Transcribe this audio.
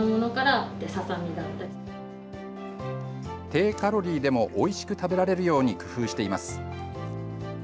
低カロリーでもおいしく食べられるように工夫しています。